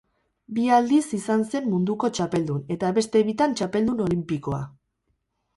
Bi aldiz izan zen munduko txapeldun eta beste bitan txapeldun olinpikoa.